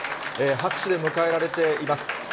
拍手で迎えられています。